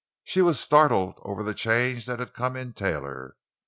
She was startled over the change that had come in Taylor.